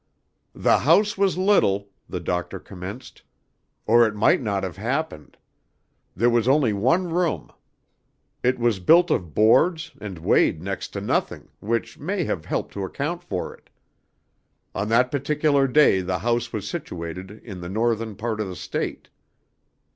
"The house was little," the doctor commenced, "or it might not have happened. There was only one room. It was built of boards and weighed next to nothing, which may have helped to account for it. "On that particular day the house was situated in the northern part of the State."